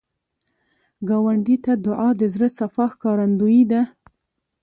ګاونډي ته دعا، د زړه صفا ښکارندویي ده